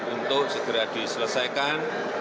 untuk segera diselesaikan